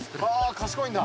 賢いんだ。